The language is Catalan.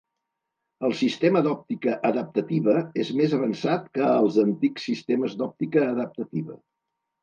El sistema d'òptica adaptativa és més avançat que els antics sistemes d'òptica adaptativa.